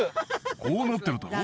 こうなってるだろ？